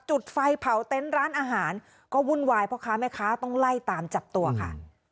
จุดไฟเผาเต็นต์ร้านอาหารก็วุ่นวายพ่อค้าแม่ค้าต้องไล่ตามจับตัวค่ะ